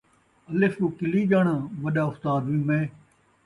الف کوں کلی ڄاݨاں، وݙا استاد وی میں